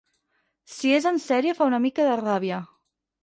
Si és en sèrie fa una mica de ràbia.